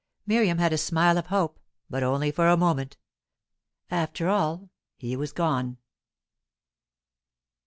Miriam had a smile of hope, but only for a moment. After all, he was gone.